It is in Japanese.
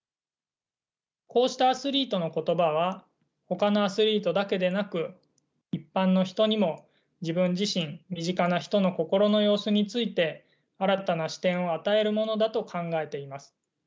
こうしたアスリートの言葉はほかのアスリートだけでなく一般の人にも自分自身身近な人の心の様子について新たな視点を与えるものだと考えています。